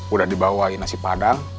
udah dibawain nasi padang